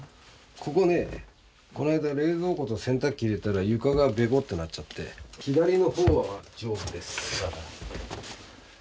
ここねこないだ冷蔵庫と洗濯機入れたら床がべこっとなっちゃって左の方は丈夫です。